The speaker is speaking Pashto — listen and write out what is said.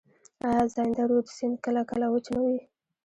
آیا زاینده رود سیند کله کله وچ نه وي؟